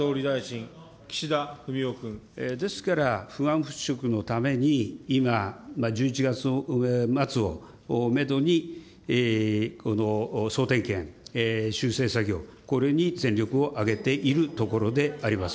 ですから、不安払拭のために今、１１月末をメドにこの総点検、修正作業、これに全力を挙げているところであります。